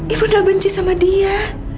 ibu udah benci sama dia